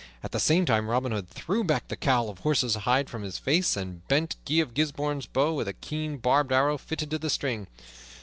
At the same time Robin Hood threw back the cowl of horse's hide from his face and bent Guy of Gisbourne's bow, with a keen, barbed arrow fitted to the string.